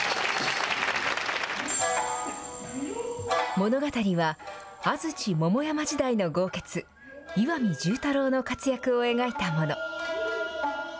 物語は安土桃山時代の豪傑岩見重太郎の活躍を描いたもの。